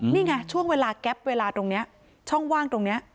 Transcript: นี่ไงช่วงเวลาแก๊ปเวลาตรงนี้ช่องว่างตรงนี้